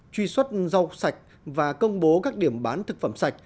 truy xuất rau sạch và công bố các điểm bán thực phẩm sạch